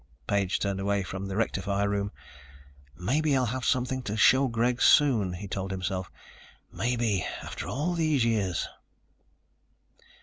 Page turned away from the rectifier room. "Maybe I'll have something to show Greg soon," he told himself. "Maybe, after all these years...."